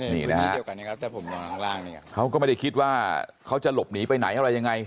นี่นะฮะเขาก็ไม่ได้คิดว่าเขาจะหลบหนีไปไหนอะไรยังไง